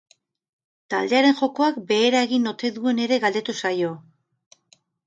Taldearen jokoak behera egin ote duen ere galdetu zaio.